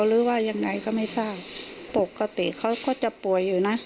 หรือว่ายังไงก็ไม่ทราบปกติเขาก็จะป่วยอยู่นะ